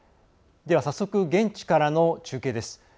では早速現地からの中継です。